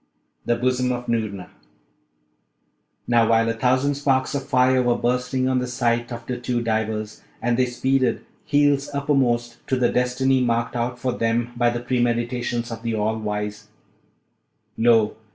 THE BOSOM OF NOORNA Now, while a thousand sparks of fire were bursting on the sight of the two divers, and they speeded heels uppermost to the destiny marked out for them by the premeditations of the All Wise, lo!